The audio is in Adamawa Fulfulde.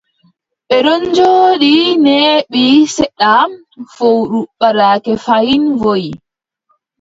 Ɓe ɗon njooɗi, neeɓi seɗɗa, fowru ɓadake fayin, woyi.